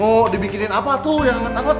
mau dibikinin apa tuh yang gak takut